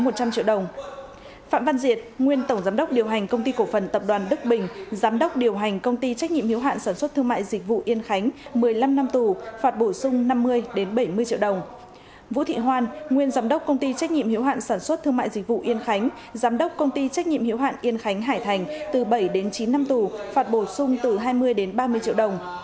vũ thị hoan nguyên giám đốc công ty trách nhiệm hiếu hạn sản xuất thương mại dịch vụ yên khánh giám đốc công ty trách nhiệm hiếu hạn yên khánh hải thành từ bảy chín năm tù phạt bổ sung từ hai mươi ba mươi triệu đồng